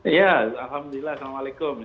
iya alhamdulillah assalamualaikum